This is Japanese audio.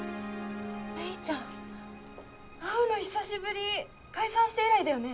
メイちゃん会うの久しぶり解散して以来だよね？